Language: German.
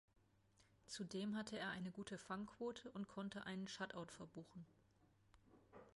Zudem hatte er eine gute Fangquote und konnte einen Shutout verbuchen.